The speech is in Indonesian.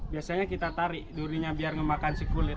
biasanya kita tarik durinya biar kemakan kulit